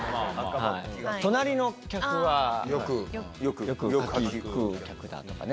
「隣の客はよく柿食う客だ」とかね。